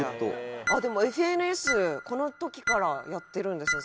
でもＦＮＳこの時からやってるんですね。